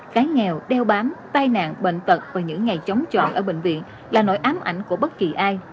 cái nghèo đeo bám tai nạn bệnh tật và những ngày chống trọi ở bệnh viện là nỗi ám ảnh của bất kỳ ai